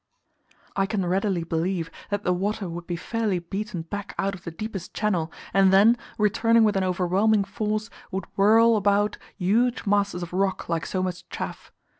I can readily believe that the water would be fairly beaten back out of the deepest channel, and then, returning with an overwhelming force, would whirl about huge masses of rock like so much chaff.